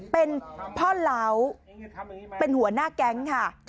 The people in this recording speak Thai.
เป็นพ่อเหล้าเป็นหัวหน้าแก๊งค่ะ